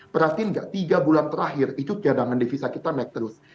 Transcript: perhatiin nggak tiga bulan terakhir itu cadangan devisa kita naik terus